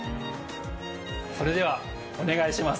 それではお願いします。